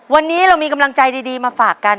วันนี้เรามีกำลังใจดีมาฝากกัน